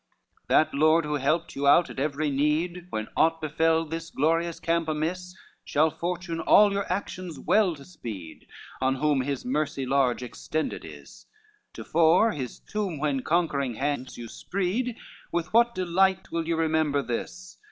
XCI "That Lord who helped you out at every need, When aught befell this glorious camp amiss, Shall fortune all your actions well to speed, On whom his mercy large extended is; Tofore his tomb, when conquering hands you spreed, With what delight will you remember this?